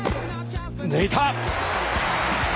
抜いた！